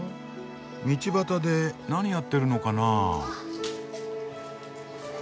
道端で何やってるのかな？